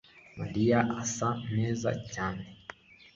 Mariya asa neza cyane